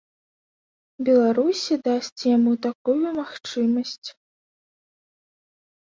Беларусі дасць яму такую магчымасць.